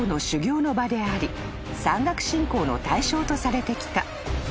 ［山岳信仰の対象とされてきた］